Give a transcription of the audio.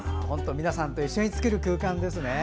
皆さんと一緒に作る空間ですね。